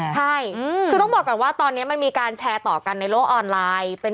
ใช่คือต้องบอกก่อนว่าตอนนี้มันมีการแชร์ต่อกันในโลกออนไลน์